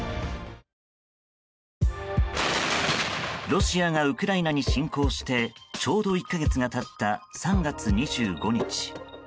ロシアがウクライナに侵攻してちょうど１か月が経った３月２５日。